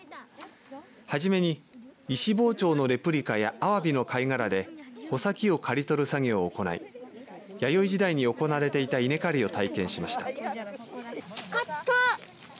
はじめに石包丁のレプリカやあわびの貝殻で穂先を刈り取る作業を行い弥生時代に行われていた稲刈りを体験しました。